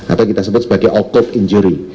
atau kita sebut sebagai ocuve injury